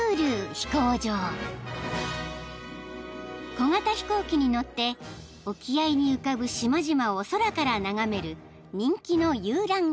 ［小型飛行機に乗って沖合に浮かぶ島々を空から眺める人気の遊覧飛行］